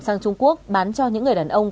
sang trung quốc bán cho những người đàn ông